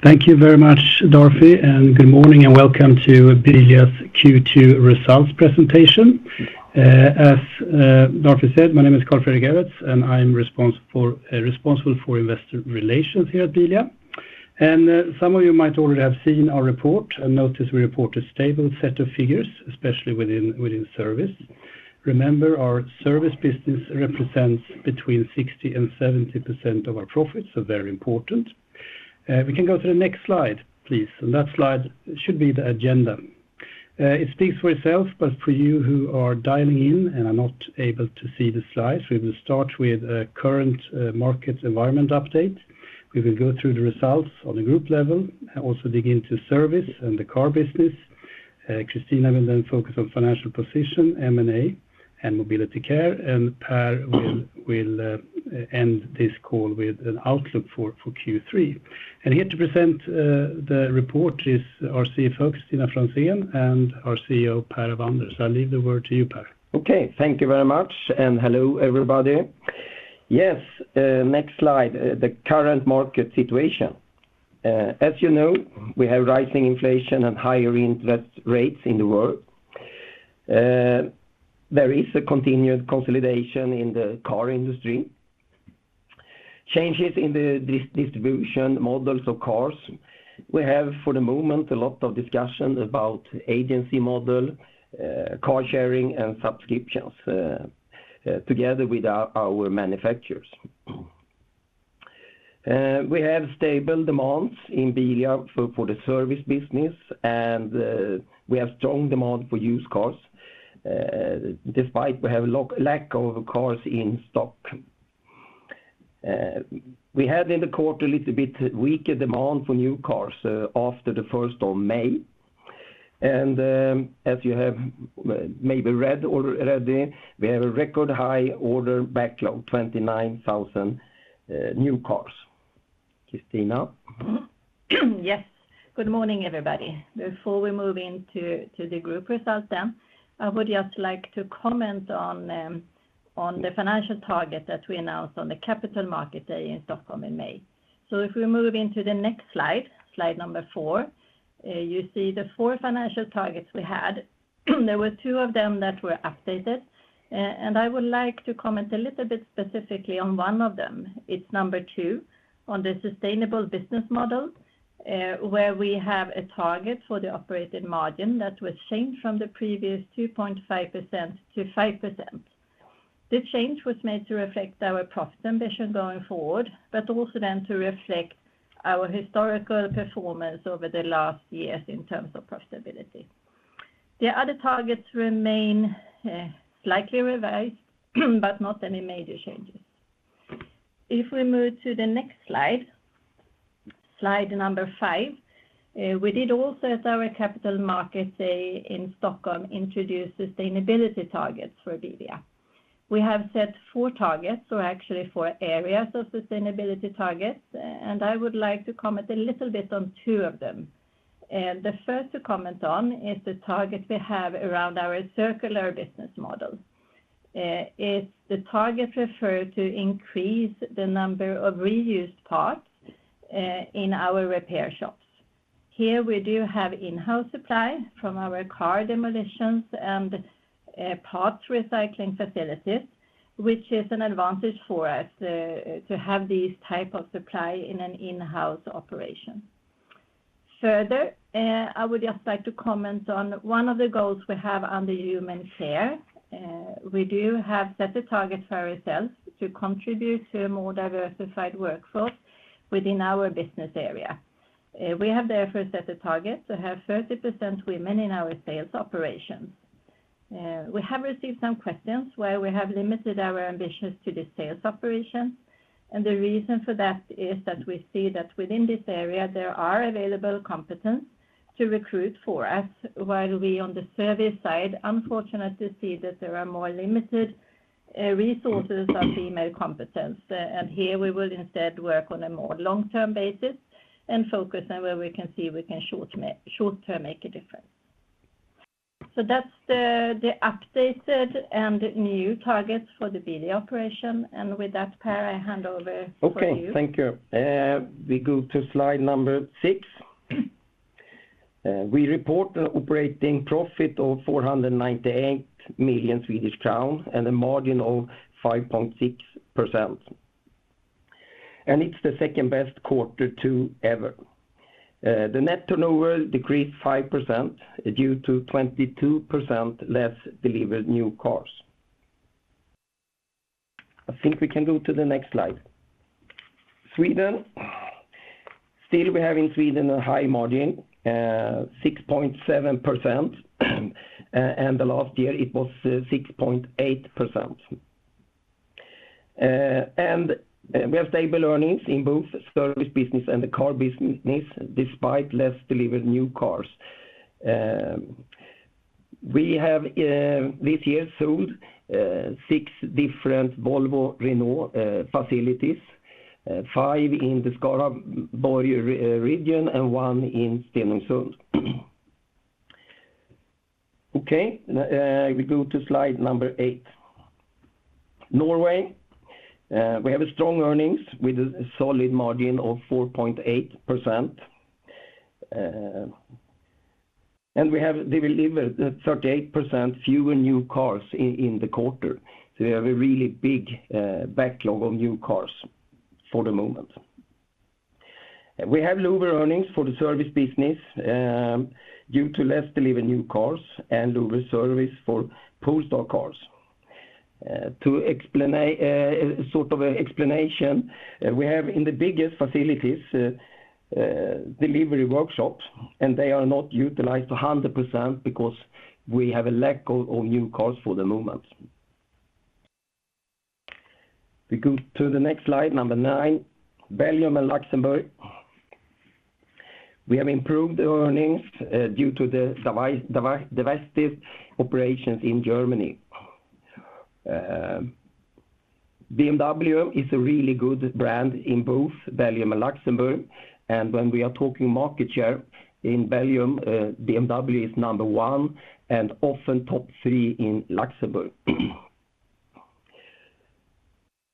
Thank you very much, Operator, and good morning, and welcome to Bilia's Q2 results presentation. As Operator said, my name is Carl Fredrik Ewetz, and I'm responsible for Investor Relations here at Bilia. Some of you might already have seen our report and noticed we report a stable set of figures, especially within Service. Remember, our Service Business represents between 60% and 70% of our profits, so very important. We can go to the next slide, please. That slide should be the agenda. It speaks for itself, but for you who are dialing in and are not able to see the slides, we will start with a current market environment update. We will go through the results on the Group level and also dig into Service and the Car Business. Kristina will then focus on financial position, M&A, and mobility care, and Per will end this call with an outlook for Q3. Here to present the report is our CFO, Kristina Franzén, and our CEO, Per Avander. I'll leave the word to you, Per. Okay, thank you very much, and hello, everybody. Yes, next slide, the current market situation. As you know, we have rising inflation and higher interest rates in the world. There is a continued consolidation in the car industry. Changes in the distribution models of cars. We have, for the moment, a lot of discussion about agency model, car sharing, and subscriptions, together with our manufacturers. We have stable demand in Bilia for the Service Business, and we have strong demand for used cars, despite we have lack of cars in stock. We had in the quarter a little bit weaker demand for new cars, after the first of May. As you have maybe read already, we have a record high order backlog, 29,000 new cars. Kristina? Yes. Good morning, everybody. Before we move into the Group results then, I would just like to comment on the financial target that we announced on the Capital Markets Day in Stockholm in May. If we move into the next slide number four, you see the four financial targets we had. There were two of them that were updated, and I would like to comment a little bit specifically on one of them. It's number two on the sustainable business model, where we have a target for the operating margin that was changed from the previous 2.5%-5%. The change was made to reflect our profit ambition going forward, but also then to reflect our historical performance over the last years in terms of profitability. The other targets remain, slightly revised, but not any major changes. If we move to the slide five, we did also at our Capital Markets Day in Stockholm introduce sustainability targets for Bilia. We have set four targets, so actually four areas of sustainability targets, and I would like to comment a little bit on two of them. The first to comment on is the target we have around our circular business model. It's the target referred to increase the number of reused parts in our repair shops. Here, we do have in-house supply from our car dismantling and parts recycling facilities, which is an advantage for us to have these type of supply in an in-house operation. Further, I would just like to comment on one of the goals we have under Human care. We do have set a target for ourselves to contribute to a more diversified workforce within our business area. We have therefore set a target to have 30% women in our sales operations. We have received some questions where we have limited our ambitions to the sales operations, and the reason for that is that we see that within this area, there are available competence to recruit for us, while we on the Service side unfortunately see that there are more limited resources of female competence. Here we will instead work on a more long-term basis and focus on where we can see we can short-term make a difference. That's the updated and new targets for the Bilia operation. With that, Per, I hand over to you. Okay, thank you. We go to slide six. We report the operating profit of 498 million Swedish crown and a margin of 5.6%. It's the second best quarter two ever. The net turnover decreased 5% due to 22% less delivered new cars. I think we can go to the next slide. Sweden. We still have in Sweden a high margin, 6.7%, and last year it was 6.8%. We have stable earnings in both Service Business and the Car Business despite less delivered new cars. We have this year sold six different Volvo and Renault facilities, five in the Skaraborg region and one in Stenungsund. Okay. We go to slide eight. Norway, we have strong earnings with a solid margin of 4.8%. We have delivered 38% fewer new cars in the quarter. We have a really big backlog of new cars for the moment. We have lower earnings for the Service Business due to less delivered new cars and lower service for post-sale cars. To sort of an explanation, we have in the biggest facilities delivery workshops, and they are not utilized 100% because we have a lack of new cars for the moment. We go to slide nine, Belgium and Luxembourg. We have improved earnings due to the divested operations in Germany. BMW is a really good brand in both Belgium and Luxembourg, and when we are talking market share in Belgium, BMW is number one and often top three in Luxembourg.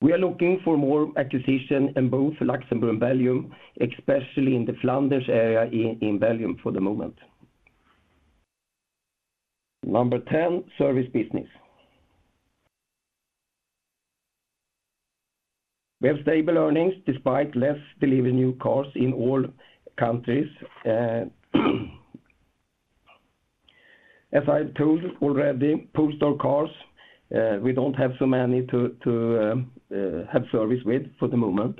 We are looking for more acquisition in both Luxembourg and Belgium, especially in the Flanders area in Belgium for the moment. Number 10, Service Business. We have stable earnings despite less delivered new cars in all countries. As I told already, post sale cars, we don't have so many to have service with for the moment.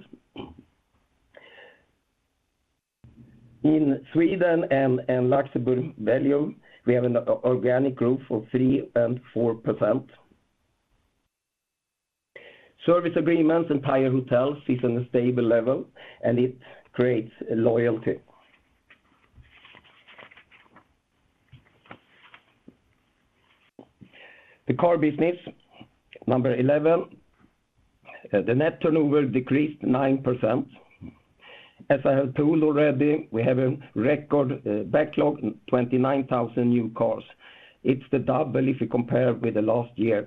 In Sweden and Luxembourg, Belgium, we have an organic growth of 3% and 4%. Service agreements and tire hotels is on a stable level, and it creates loyalty. The Car Business, number 11. The net turnover decreased 9%. As I have told already, we have a record backlog, 29,000 new cars. It's the double if you compare with the last year.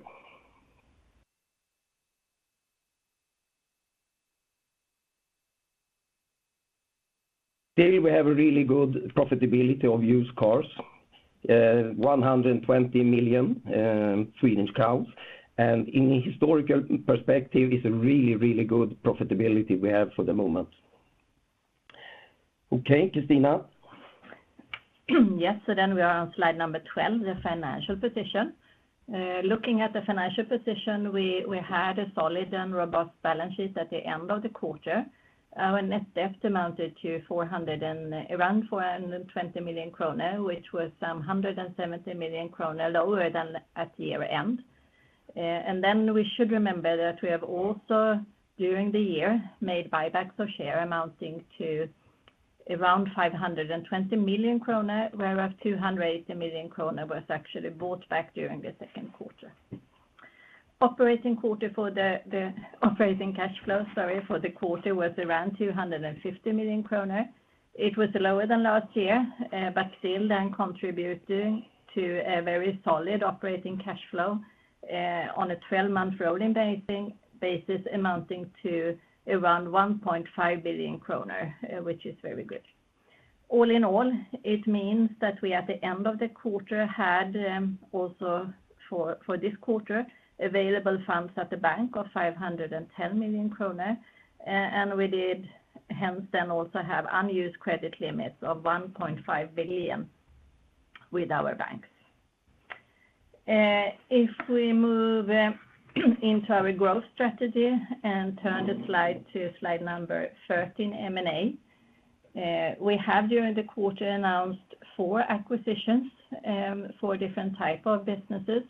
Here we have a really good profitability of used cars, 120 million. In historical perspective, it's a really, really good profitability we have for the moment. Okay, Kristina. Yes. We are on slide number 12, the financial position. Looking at the financial position, we had a solid and robust balance sheet at the end of the quarter. Our net debt amounted to around 420 million kronor, which was 170 million kronor lower than at year-end. We should remember that we have also, during the year, made buybacks of shares amounting to around 520 million kronor, of which 280 million kronor was actually bought back during the second quarter. Operating cash flow for the quarter was around 250 million kronor. It was lower than last year, but still then contributing to a very solid operating cash flow, on a 12-month rolling basis amounting to around 1.5 billion kronor, which is very good. All in all, it means that we, at the end of the quarter, had, also for this quarter, available funds at the bank of 510 million kronor. And we did hence then also have unused credit limits of 1.5 billion with our banks. If we move into our growth strategy and turn the slide to slide 13, M&A. We have during the quarter announced four acquisitions, four different type of businesses.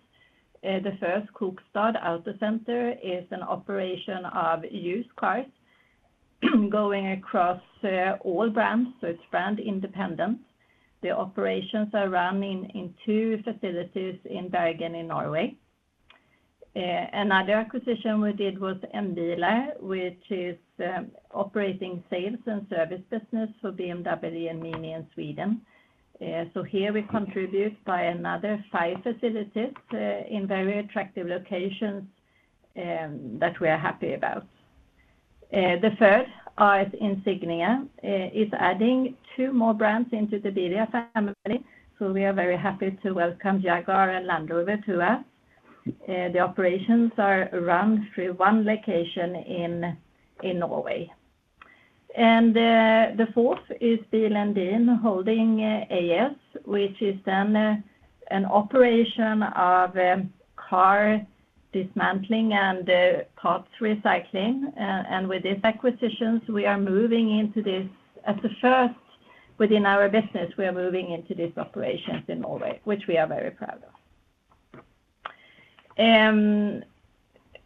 The first, Kokstad Autosenter, is an operation of used cars going across all brands, so it's brand independent. The operations are running in two facilities in Bergen, in Norway. Another acquisition we did was M Bilar, which is operating sales and Service Business for BMW and MINI in Sweden. Here we contribute by another five facilities in very attractive locations that we are happy about. The third is Insignia, adding two more brands into the Bilia family, so we are very happy to welcome Jaguar and Land Rover to us. The operations are run through one location in Norway. The fourth is Bil & Din Holding AS, which is then an operation of car dismantling and parts recycling. With these acquisitions, we are moving into this as a first within our business, we are moving into this operations in Norway, which we are very proud of.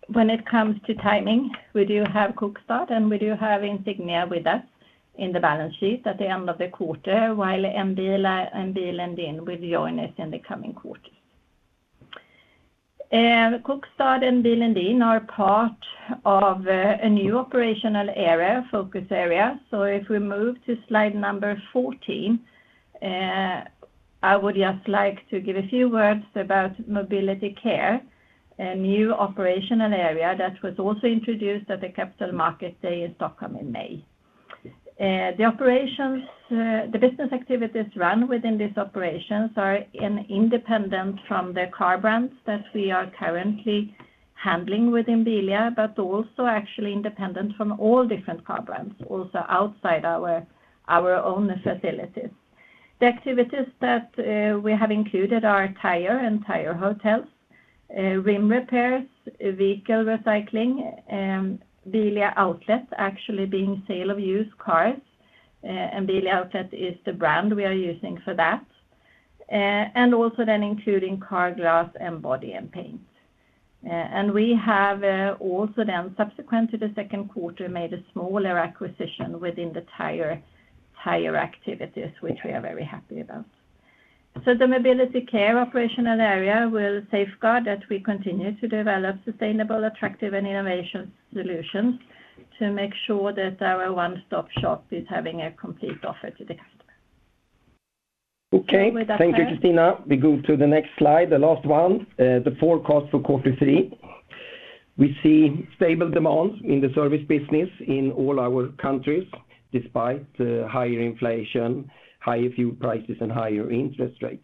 When it comes to timing, we do have Kokstad and we do have Insignia with us in the balance sheet at the end of the quarter, while M Bilar and Bil & Din will join us in the coming quarters. Kokstad and Bil & Din are part of a new operational area, focus area. If we move to slide number 14, I would just like to give a few words about mobility care and new operational area that was also introduced at the Capital Markets Day in Stockholm in May, 2022. The operations, the business activities run within these operations are independent from the car brands that we are currently handling within Bilia, but also actually independent from all different car brands, also outside our own facilities. The activities that we have included are tires and tire hotels, rim repairs, vehicle recycling, Bilia Outlet actually being sale of used cars. Bilia Outlet is the brand we are using for that. Including car glass and Body & Paint. We have also then subsequently the second quarter made a smaller acquisition within the tire activities, which we are very happy about. The mobility care operational area will safeguard that we continue to develop sustainable, attractive and innovative solutions to make sure that our one-stop shop is having a complete offer to the customer. Thank you, Kristina. We go to the next slide, the last one, the forecast for quarter three. We see stable demand in the Service Business in all our countries despite higher inflation, higher fuel prices and higher interest rates.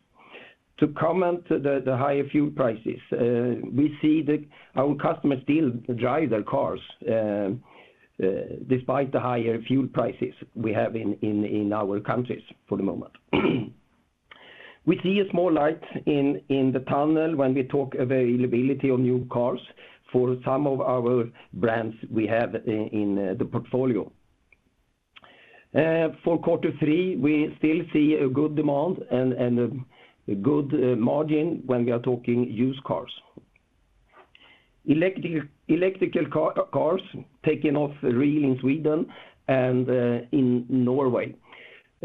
To comment the higher fuel prices, we see our customers still drive their cars despite the higher fuel prices we have in our countries for the moment. We see a small light in the tunnel when we talk availability of new cars for some of our brands we have in the portfolio. For quarter three, we still see a good demand and a good margin when we are talking used cars. Electric cars taking off really in Sweden and in Norway.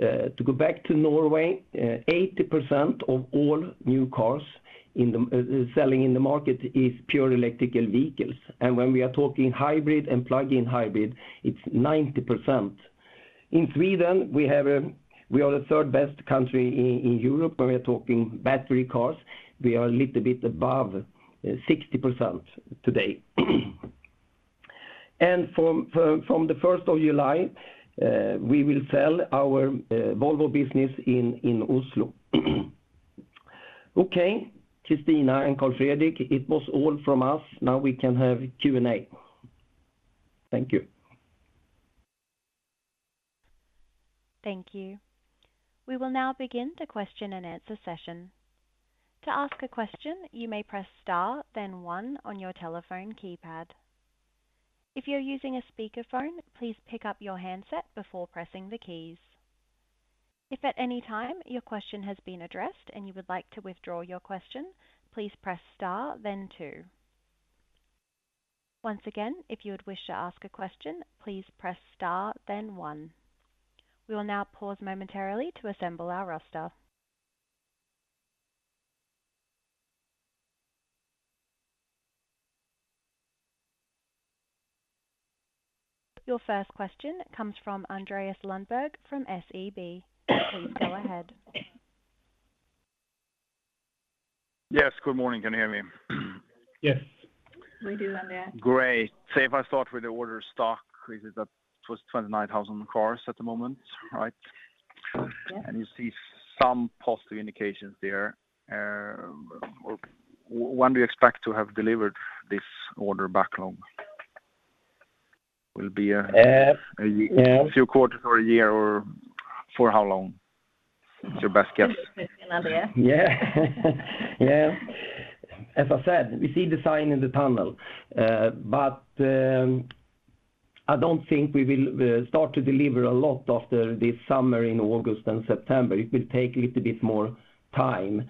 To go back to Norway, 80% of all new cars in the sold in the market is pure electric vehicles. When we are talking hybrid and plug-in hybrid, it's 90%. In Sweden, we are the third best country in Europe when we are talking battery cars. We are a little bit above 60% today. From the first of July, we will sell our Volvo business in Oslo. Okay. Kristina and Carl Fredrik, it was all from us. Now we can have Q&A. Thank you. Thank you. We will now begin the question-and-answer session. To ask a question, you may press star then one on your telephone keypad. If you're using a speakerphone, please pick up your handset before pressing the keys. If at any time your question has been addressed and you would like to withdraw your question, please press star then two. Once again, if you would wish to ask a question, please press star then one. We will now pause momentarily to assemble our roster. Your first question comes from Andreas Lundberg from SEB. Please go ahead. Yes, good morning. Can you hear me? Yes. We do, Andreas. Great. Say if I start with the order stock, which is up to 29,000 cars at the moment, right? Yes. You see some positive indications there. When do you expect to have delivered this order backlog? Yeah. A y- Yeah. A few quarters or a year or for how long? What's your best guess? Andreas. Yeah. As I said, we see the sign in the tunnel. But I don't think we will start to deliver a lot after this summer in August and September. It will take a little bit more time.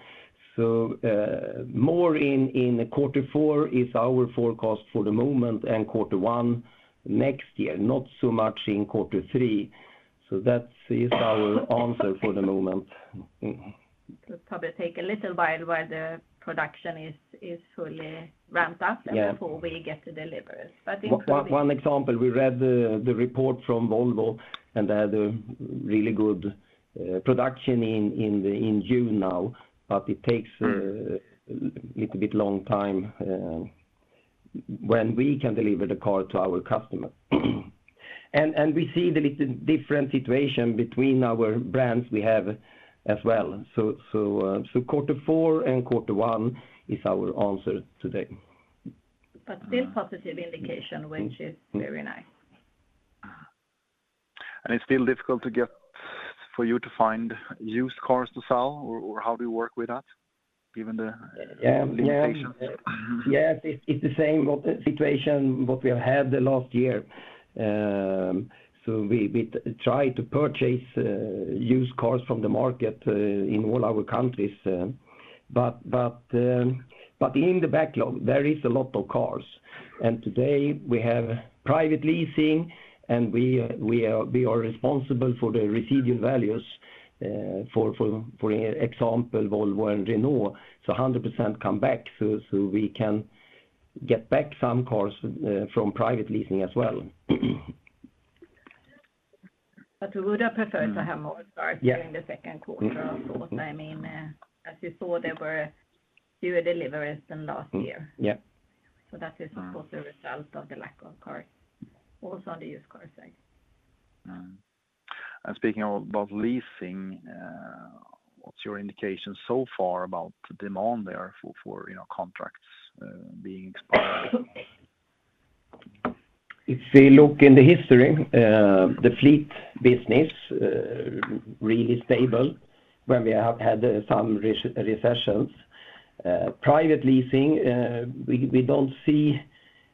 More in quarter four is our forecast for the moment and quarter one next year, not so much in quarter three. That is our answer for the moment. It will probably take a little while the production is fully ramped up. Yeah. Before we get the deliveries. One example, we read the report from Volvo, and they had a really good production in June now, but it takes a little bit longer time when we can deliver the car to our customer. We see a little different situation between our brands we have as well. Quarter four and quarter one is our answer today. Still positive indication, which is very nice. It's still difficult to get for you to find used cars to sell or how do you work with that given the? Yeah. Limitations? Yes. It's the same situation what we have had the last year. We try to purchase used cars from the market in all our countries. In the backlog, there is a lot of cars. Today we have private leasing, and we are responsible for the residual values. For example, Volvo and Renault. 100% come back, so we can get back some cars from private leasing as well. We would have preferred to have more cars. Yeah During the second quarter of course. I mean, as you saw, there were fewer deliveries than last year. Yeah. that is of course, the result of the lack of cars also on the used car side. Speaking about leasing, what's your indication so far about demand there for you know contracts being expired? If we look in the history, the fleet business really stable when we have had some recessions. Private leasing, we don't see.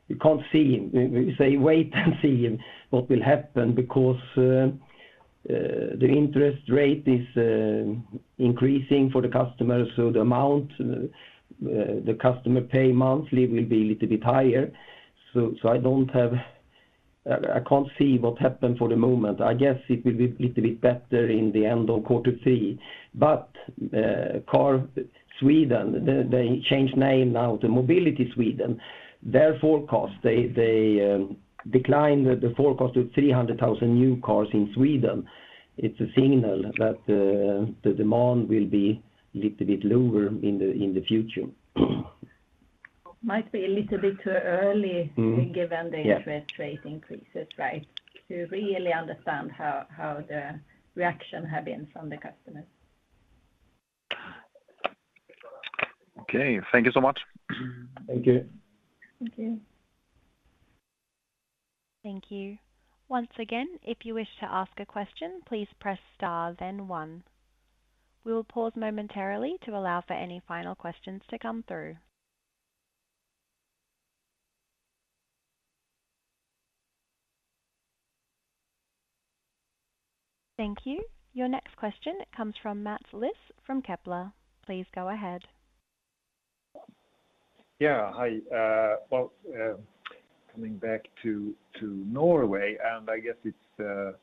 We can't see. We say wait and see what will happen because the interest rate is increasing for the customer. The amount the customer pay monthly will be little bit higher. I don't have. I can't see what happened for the moment. I guess it will be little bit better in the end of quarter three. Car Sweden, they changed name now to Mobility Sweden. Their forecast, they declined the forecast of 300,000 new cars in Sweden. It's a signal that the demand will be little bit lower in the future. Might be a little bit too early. Mm-hmm. Yeah. Given the interest rate increases, right? To really understand how the reaction have been from the customers. Okay. Thank you so much. Thank you. Thank you. Thank you. Once again, if you wish to ask a question, please press star then one. We'll pause momentarily to allow for any final questions to come through. Thank you. Your next question comes from Mats Liss from Kepler. Please go ahead. Yeah. Hi. Well, coming back to Norway, I guess it's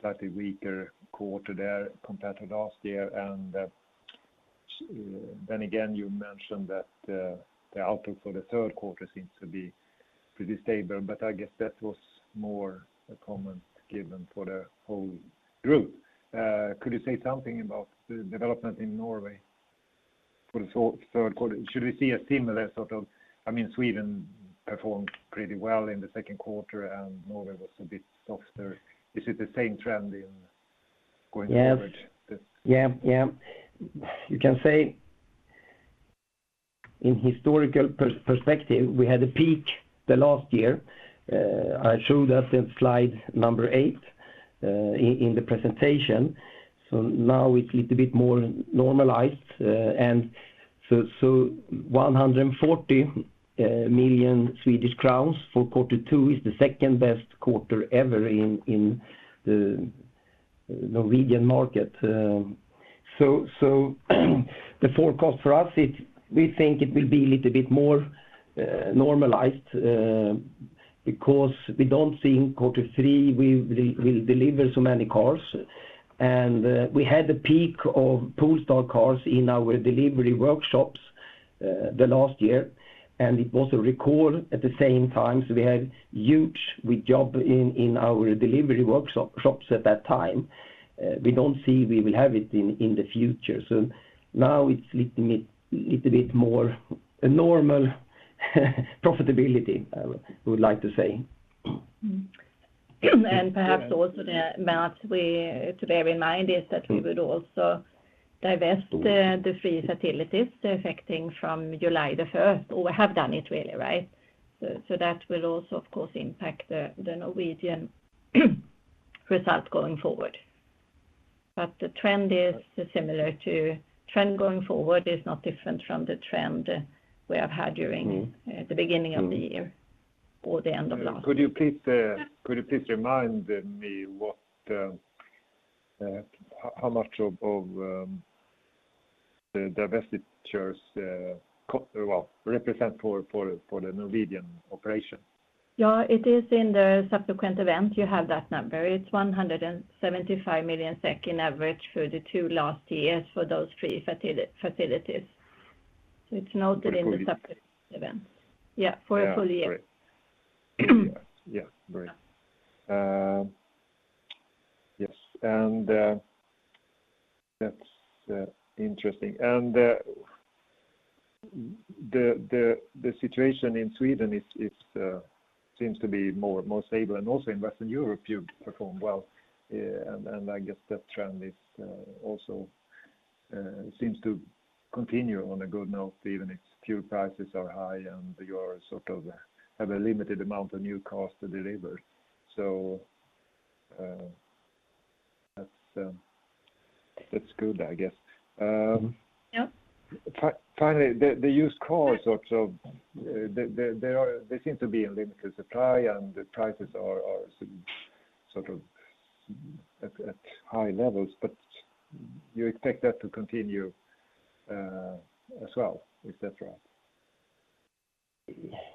slightly weaker quarter there compared to last year. Then again, you mentioned that the outlook for the third quarter seems to be pretty stable, but I guess that was more a comment given for the whole Group. Could you say something about the development in Norway for the third quarter? Should we see a similar sort? I mean, Sweden performed pretty well in the second quarter, and Norway was a bit softer. Is it the same trend going forward? Yeah. You can say in historical perspective, we had a peak last year. I showed that in slide eight, in the presentation. Now it's little bit more normalized. 140 million Swedish crowns for quarter two is the second best quarter ever in the Norwegian market. The forecast for us. We think it will be little bit more normalized, because we don't think quarter three we'll deliver so many cars. We had a peak of Polestar cars in our delivery workshops last year, and it was a recall at the same time. We had huge job in our delivery workshops at that time. We don't see we will have it in the future. Now it's little bit more a normal profitability. I would like to say. Perhaps also, Mats, to bear in mind is that we would also divest the three facilities effective from July the first, or have done it already, right? That will also, of course, impact the Norwegian results going forward. The trend going forward is not different from the trend we have had during- Mm-hmm the beginning of the year or the end of last year. Could you please remind me how much of the divestitures represent for the Norwegian operation? Yeah. It is in the subsequent event you have that number. It's 175 million SEK on average for the two last years for those three facilities. It's noted in the separate event. For a full year. Yeah, for a full year. Yeah. Great. Yes. That's interesting. The situation in Sweden seems to be more stable, and also in Western Europe you've performed well. I guess that trend also seems to continue on a good note, even if fuel prices are high and you sort of have a limited amount of new cars to deliver. That's good, I guess. Yeah. Finally, the used cars also, they seem to be in limited supply, and the prices are sort of at high levels, but you expect that to continue as well, is that right?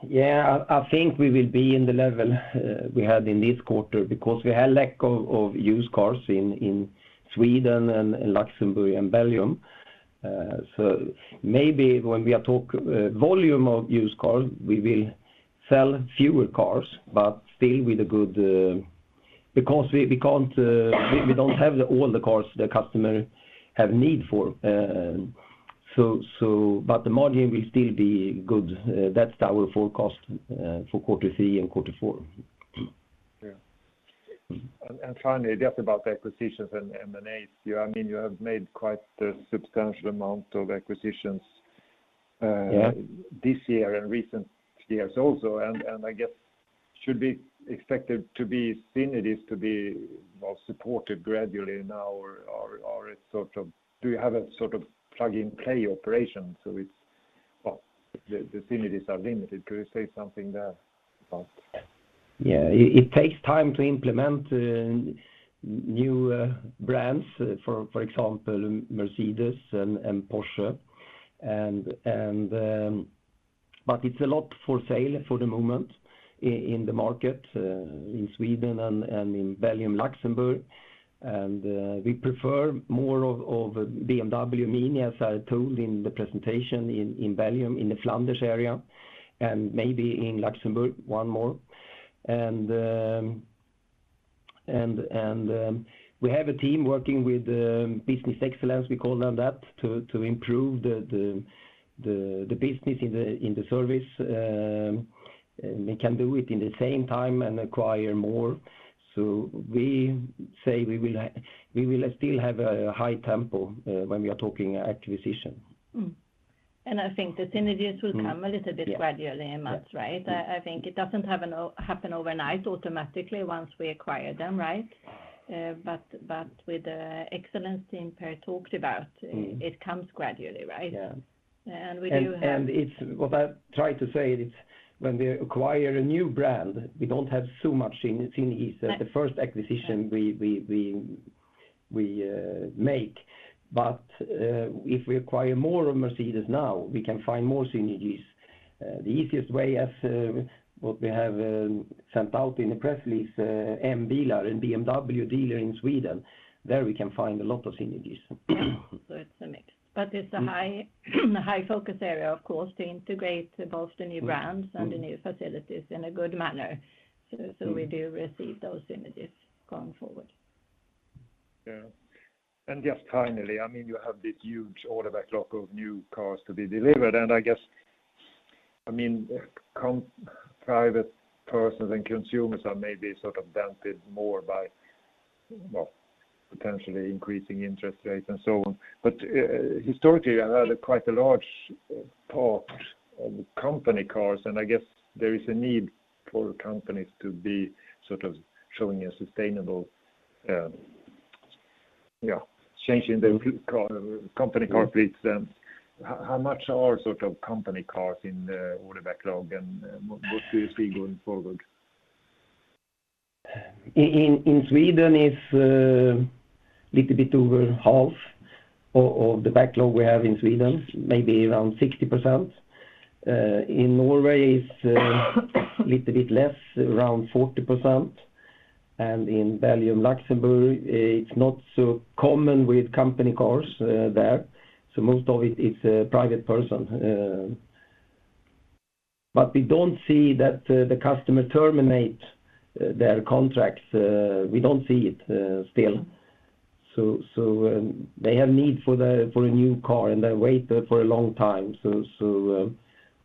Yeah, I think we will be in the level we had in this quarter because we had lack of used cars in Sweden and Luxembourg and Belgium. Maybe when we talk volume of used cars, we will sell fewer cars because we can't, we don't have all the cars the customer have need for. The margin will still be good. That's our forecast for quarter three and quarter four. Yeah. Finally, just about the acquisitions and the M&As. I mean, you have made quite a substantial amount of acquisitions. Yeah This year and recent years also. I guess synergies should be expected to be well supported gradually now or is it sort of a plug-and-play operation? It's well the synergies are limited. Could you say something there about? Yeah. It takes time to implement new brands, for example, Mercedes-Benz and Porsche. There's a lot for sale at the moment in the market in Sweden and in Belgium, Luxembourg. We prefer more of BMW MINI, as I told in the presentation, in Belgium, in the Flanders area, and maybe in Luxembourg, one more. We have a team working with business excellence, we call them that, to improve the business in the Service. We can do it at the same time and acquire more. We say we will still have a high tempo when we are talking acquisitions. I think the synergies will come. Mm. Yeah A little bit gradually, Mats, right? Yeah. I think it doesn't happen overnight automatically once we acquire them, right? But with the excellence team Per talked about. Mm-hmm It comes gradually, right? Yeah. We do have. What I try to say is when we acquire a new brand, we don't have so much synergies. Right At the first acquisition we make. If we acquire more of Mercedes-Benz now, we can find more synergies. The easiest way is what we have sent out in the press release, M Bilar and BMW dealer in Sweden, there we can find a lot of synergies. Yeah. It's a mix. It's a high focus area, of course, to integrate both the new brands and the new facilities in a good manner. We do receive those synergies going forward. Yeah. Just finally, I mean, you have this huge order backlog of new cars to be delivered. I guess, I mean, private persons and consumers are maybe sort of dampened more by, well, potentially increasing interest rates and so on. Historically, you had quite a large part of company cars, and I guess there is a need for companies to be sort of showing a sustainable, yeah, change in the company car fleets. How much are sort of company cars in the order backlog, and what do you see going forward? In Sweden, it's a little bit over half of the backlog we have in Sweden, maybe around 60%. In Norway, it's a little bit less, around 40%. In Belgium, Luxembourg, it's not so common with company cars there. Most of it is a private person. We don't see that the customer terminate their contracts. We don't see it still. They have need for a new car, and they wait for a long time.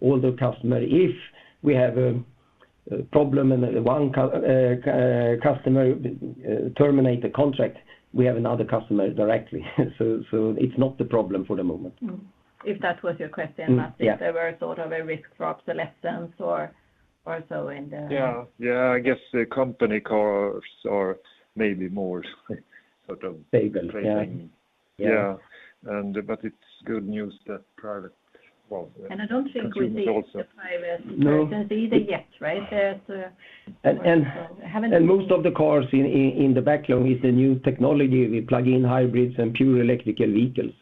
All the customer, if we have a problem and one customer terminate the contract, we have another customer directly. It's not a problem for the moment. If that was your question, Mats. Yeah If there were sort of a risk for obsolescence or so in the Yeah. I guess the company cars are maybe more sort of. Stable. Yeah. Trending. Yeah. Yeah. It's good news that private, well, consumers also. I don't think we see it with the private- No Persons either yet, right? There's And, and- Haven't- Most of the cars in the backlog is the new technology. We plug-in hybrids and pure electric vehicles.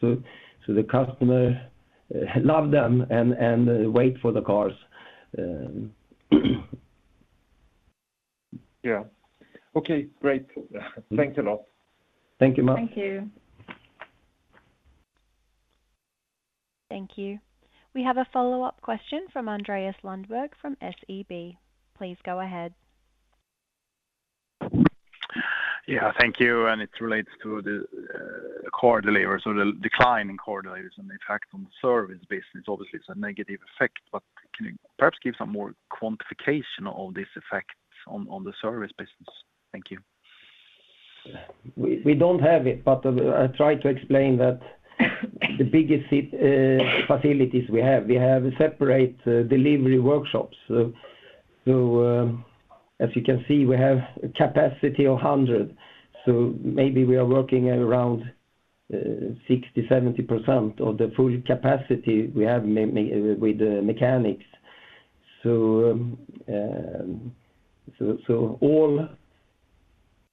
The customer love them and wait for the cars. Yeah. Okay, great. Mm. Thanks a lot. Thank you, Mats. Thank you. Thank you. We have a follow-up question from Andreas Lundberg from SEB. Please go ahead. Yeah, thank you, it relates to the core delivery. The decline in core deliveries and the effect on the Service Business. Obviously, it's a negative effect, but can you perhaps give some more quantification of this effect on the Service Business? Thank you. We don't have it, but I try to explain that the biggest facilities we have, we have separate delivery workshops. As you can see, we have a capacity of 100. Maybe we are working at around 60%-70% of the full capacity we have with the mechanics. All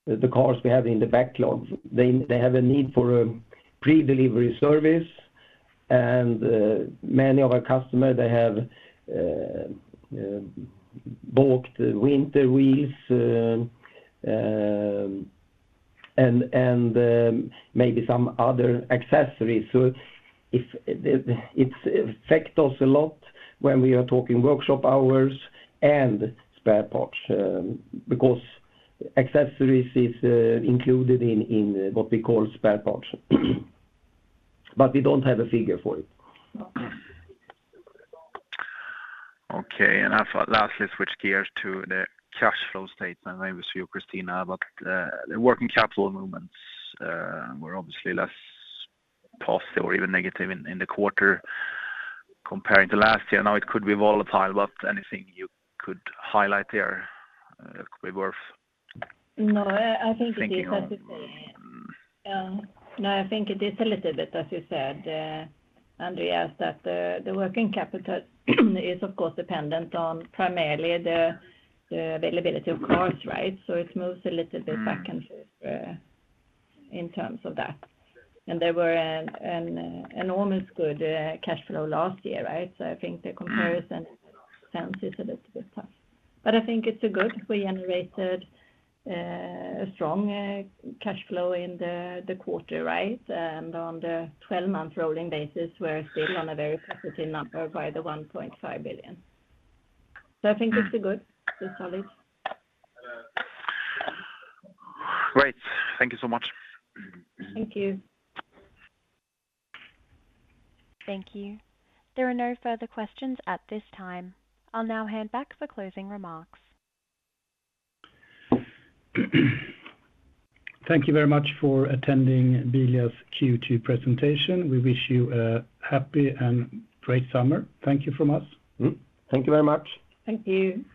the cars we have in the backlog, they have a need for a pre-delivery service. Many of our customer have booked winter wheels and maybe some other accessories. If it affect us a lot when we are talking workshop hours and spare parts, because accessories is included in what we call spare parts. We don't have a figure for it. Okay. I thought lastly switch gears to the cash flow statement, maybe it's for you Kristina, but the working capital movements were obviously less positive or even negative in the quarter comparing to last year. Now it could be volatile, but anything you could highlight there could be worth thinking of. No, I think it is as you say. No, I think it is a little bit, as you said, Andreas, that the working capital is of course dependent on primarily the availability of cars, right? It moves a little bit back and forth in terms of that. There was an enormously good cash flow last year, right? I think the comparison since is a little bit tough. I think it's good we generated a strong cash flow in the quarter, right? On the 12-month rolling basis, we're still on a very positive number of 1.5 billion. I think it's good. It's solid. Great. Thank you so much. Thank you. Thank you. There are no further questions at this time. I'll now hand back for closing remarks. Thank you very much for attending Bilia's Q2 presentation. We wish you a happy and great summer. Thank you from us. Thank you very much. Thank you.